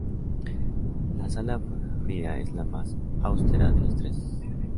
La sala fría es la más austera de las tres.